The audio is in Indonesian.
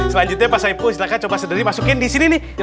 selanjutnya pasal itu silahkan coba sederhana masukin di sini leher belakangnya